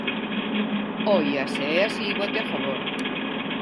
Oia, se é así, vote a favor.